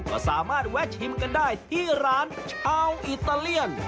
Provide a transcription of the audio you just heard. ก็สามารถแวะชิมกันได้ที่ร้านชาวอิตาเลียน